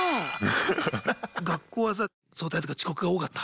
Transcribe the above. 学校はさ早退とか遅刻が多かった？